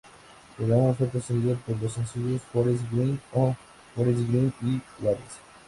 El álbum fue precedido por los sencillos "Forest Green, Oh Forest Green" y "Waves".